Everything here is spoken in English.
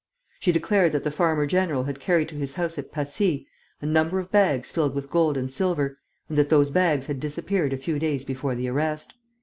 She declared that the farmer general had carried to his house at Passy a number of bags filled with gold and silver and that those bags had disappeared a few days before the arrest.